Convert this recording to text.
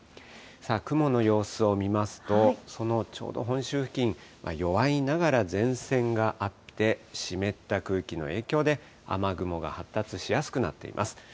雲の様子を見ますと、そのちょうど本州付近、弱いながら、前線があって、湿った空気の影響で、雨雲が発達しやすくなっています。